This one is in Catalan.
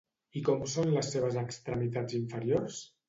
I com són les seves extremitats inferiors?